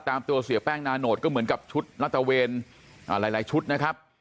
ตามตัวเสียแป้งนาโนตก็เหมือนกับชุดรัฐเวนหลายชุดนะครับ